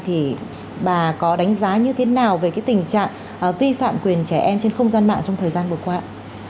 thì bà có đánh giá như thế nào về cái tình trạng vi phạm quyền trẻ em trên không gian mạng trong thời gian vừa qua ạ